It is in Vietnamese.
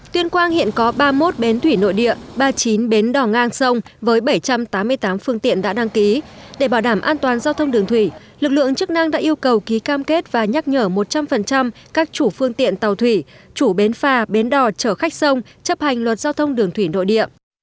tuyên quang hiện có ba mươi một bến thủy nội địa ba mươi chín bến đỏ ngang sông với bảy trăm tám mươi tám phương tiện đã đăng ký để bảo đảm an toàn giao thông đường thủy lực lượng chức năng đã yêu cầu ký cam kết và nhắc nhở một trăm linh các chủ phương tiện tàu thủy chủ bến phà bến đỏ chở khách sông chấp hành luật giao thông đường thủy nội địa